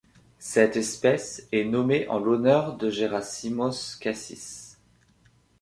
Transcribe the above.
Cette espèce est nommée en l'honneur de Gerasimos Cassis.